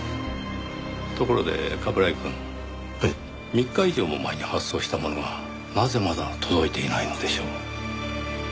３日以上も前に発送したものがなぜまだ届いていないのでしょう？